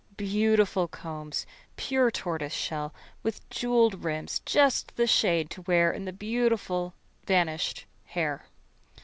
Beautiful combs, pure tortoise shell, with jewelled rims just the shade to wear in the beautiful vanished hair.